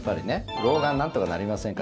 老眼なんとかなりませんか？